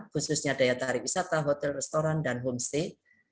khususnya daya tarik wisata hotel restoran dan homestay